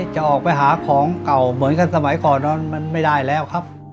จะออกไปหาของเก่าเหมือนกันสมัยก่อนนั้นมันไม่ได้แล้วครับ